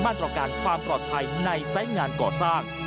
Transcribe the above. มาตรการความปลอดภัยในไซส์งานก่อสร้าง